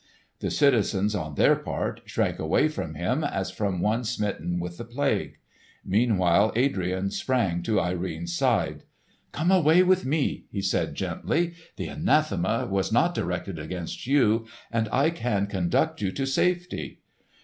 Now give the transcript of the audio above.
The citizens on their part shrank away from him as from one smitten with the plague. Meanwhile, Adrian sprang to Irene's side. "Come away with me!" he said gently. "The anathema was not directed against you, and I can conduct you to safety."